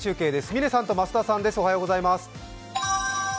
嶺さんと増田さんです。